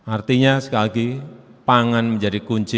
artinya sekali lagi pangan menjadi kunci